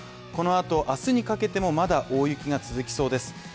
この後明日にかけてもまだ大雪が続きそうです